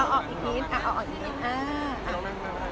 โอเคผมพร้อม